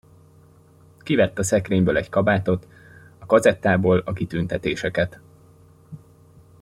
Kivett a szekrényből egy kabátot, a kazettából a kitüntetéseket.